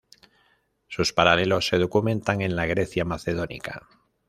Sus paralelos se documentan en la Grecia Macedónica.